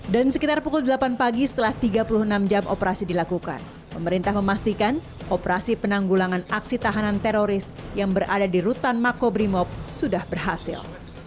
dan sekitar pukul delapan pagi setelah tiga puluh enam jam operasi dilakukan pemerintah memastikan operasi penanggulangan aksi tahanan teroris yang berada di rutan mako brimo sudah berhasil